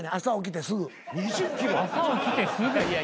朝起きてすぐ？